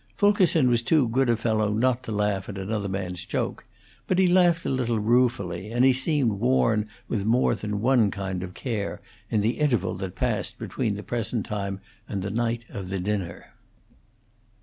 Fulkerson was too good a fellow not to laugh at another man's joke, but he laughed a little ruefully, and he seemed worn with more than one kind of care in the interval that passed between the present time and the night of the dinner.